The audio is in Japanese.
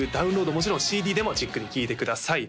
もちろんＣＤでもじっくり聴いてください